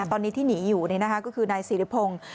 ตอนนี้ที่หนีอยู่นี่นะคะก็คือนายศิริพงษ์